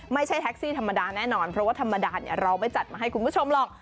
ไม่ใช่แท็กซี่ธรรมดาแน่นอนเพราะว่าธรรมดาเราไม่จัดมาให้คุณผู้ชมหรอก